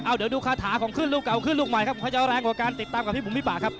เอ้าเดี๋ยวดูคาถาของขึ้นลูกเอาขึ้นลูกใหม่ครับพระเจ้าแรงกว่าการติดตามกับพี่มุมมิปะครับ